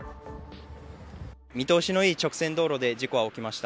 見通しのいい直線道路で事故は起きました。